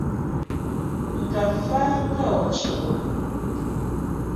Ŋka fa ŋga u chiʼ o.